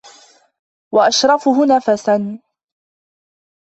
وَأَشْرَفُهُ نَفْسًا